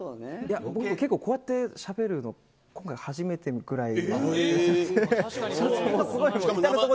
こうやってしゃべるの今回初めてぐらい。